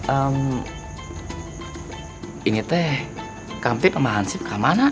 ehm ini teh kamtip sama hansip kemana